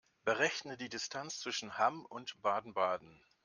Berechne die Distanz zwischen Hamm und Baden-Baden